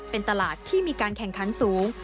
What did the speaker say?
เป็นตลาดที่มีการแข่งขันสูง